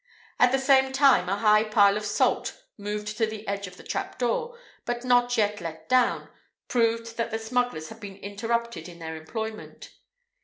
At the same time a high pile of salt, moved to the edge of the trap door, but not yet let down, proved that the smugglers had been interrupted in their employment.